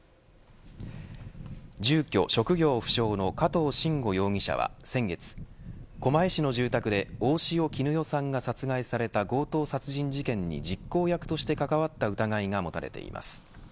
住居、職業不詳の加藤臣吾容疑者は、先月狛江市の住宅で大塩衣与さんが殺害された強盗殺人事件に実行役として関わった疑いが持たれています。